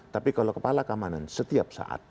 tapi kalau kepala keamanan setiap saat